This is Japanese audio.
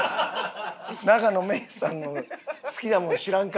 「永野芽郁さんの好きなもの知らんか？」